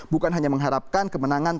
bukan hanya mengharapkan kemenangan